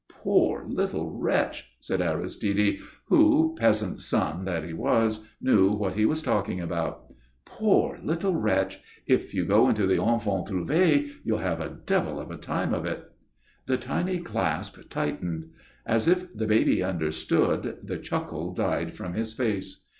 "Poor little wretch!" said Aristide, who, peasant's son that he was, knew what he was talking about. "Poor little wretch! If you go into the Enfants Trouvés you'll have a devil of a time of it." The tiny clasp tightened. As if the babe understood, the chuckle died from his face.